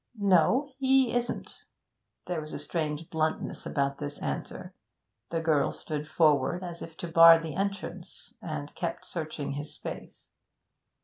'No, he isn't.' There was a strange bluntness about this answer. The girl stood forward, as if to bar the entrance, and kept searching his face.